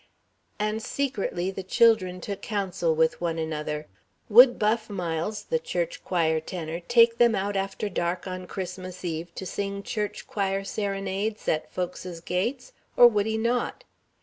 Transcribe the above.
And secretly the children took counsel with one another: Would Buff Miles, the church choir tenor, take them out after dark on Christmas Eve, to sing church choir serenades at folks' gates, or would he not?